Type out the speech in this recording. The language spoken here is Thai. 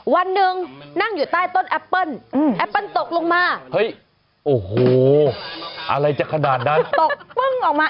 วันหนึ่งนั่งอยู่ใต้ต้นแอปเปิ้ลแอปเปิ้ลตกลงมาเฮ้ยโอ้โหอะไรจะขนาดนั้นตกปึ้งออกมา